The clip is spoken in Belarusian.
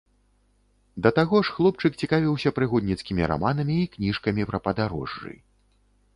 Да таго ж хлопчык цікавіўся прыгодніцкімі раманамі і кніжкамі пра падарожжы.